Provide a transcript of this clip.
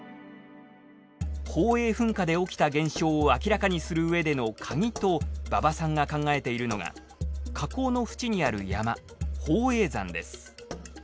宝永噴火で起きた現象を明らかにするうえでのカギと馬場さんが考えているのが火口の縁にある山宝永山です。